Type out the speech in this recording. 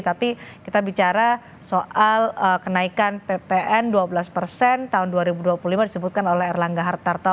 tapi kita bicara soal kenaikan ppn dua belas persen tahun dua ribu dua puluh lima disebutkan oleh erlangga hartarto